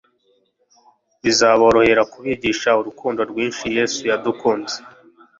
bizaborohera kubigisha urukundo rwinshi Yesu yadukunze.